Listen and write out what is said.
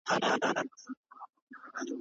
ايا ټولنه د تل لپاره مخ په وړاندې ځي؟